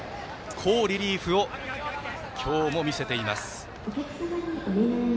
好リリーフを今日も見せています。